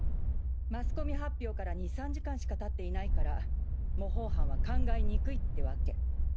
マスコミ発表から２３時間しかたっていないから模倣犯は考えにくいってわけ。